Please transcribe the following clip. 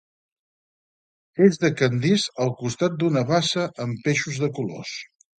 Es decandís al costat d'una bassa amb peixos de colors.